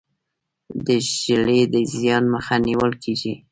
د ږلۍ د زیان مخه نیول کیږي.